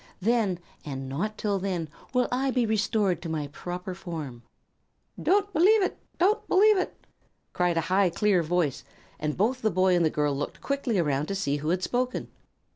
Then, and not till then, will I be restored to my proper form." "Don't believe it! Don't believe it!" cried a high, clear voice, and both the boy and the girl looked quickly around to see who had spoken.